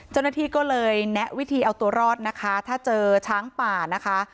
เจ้าหน้าที่ก็เลยแนะวิธีเอาตัวรอดนะคะถ้าเจอช้างป่านะคะ